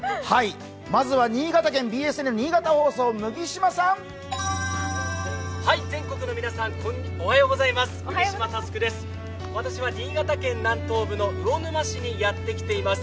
まずは新潟県、ＢＳＮ新潟放送、全国の皆さん、おはようございます、麦島侑です。